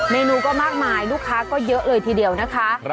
เมนูก็มากมายลูกค้าก็เยอะเลยทีเดียวนะคะ